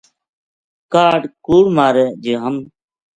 کاہڈ کوڑ مارے جے ہم